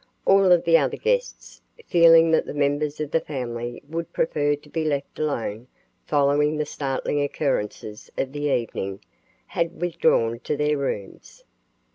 All of the other guests, feeling that the members of the family would prefer to be left alone following the startling occurrences of the evening, had withdrawn to their rooms.